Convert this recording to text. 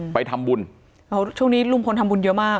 ไปทำบุญช่วงนี้ลุงพลทำบุญเยอะมาก